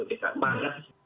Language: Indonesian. itu akan diselesaikan oleh bk